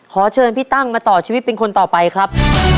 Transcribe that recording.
ขอเชิญพี่ตั้งมาต่อชีวิตเป็นคนต่อไปครับ